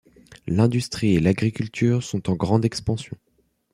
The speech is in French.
L'industrie et l'agriculture sont en grande expansion.